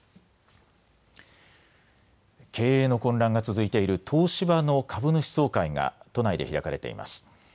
経営の混乱が続いている東芝の株主総会が都内で開かれています。